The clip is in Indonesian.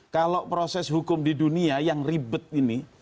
kalau proses hukum di dunia yang ribet ini